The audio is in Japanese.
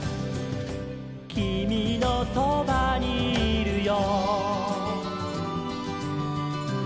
「きみのそばにいるよ」